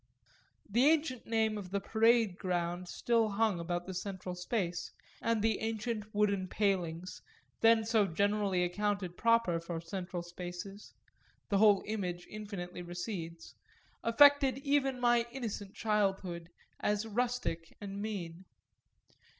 The ancient name of the Parade ground still hung about the central space, and the ancient wooden palings, then so generally accounted proper for central spaces the whole image infinitely recedes affected even my innocent childhood as rustic and mean.